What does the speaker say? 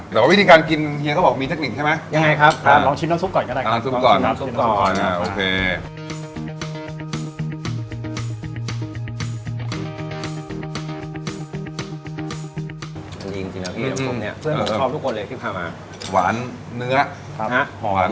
แต่วิธีการกินเฮียเค้าบอกมีเทคนิคใช่มั้ย